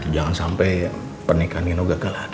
jangan sampai pernikahan nino gagal lagi mak